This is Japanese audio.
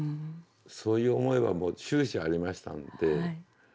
そういう思いはもう終始ありましたんで。